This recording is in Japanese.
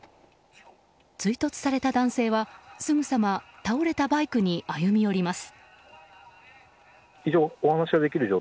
追突された男性は、すぐさま倒れたバイクに歩み寄ります。